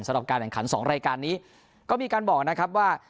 สำหรับการแข่งขัน๒รายการนี้ก็มีการบอกนะครับว่า